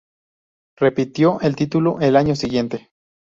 Repitió el título el año siguiente.